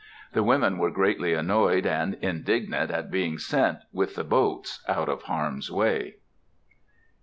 The women were greatly annoyed and indignant at being sent, with the boats, out of harm's way.